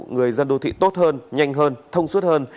người dân đô thị tốt hơn nhanh hơn thông suốt hơn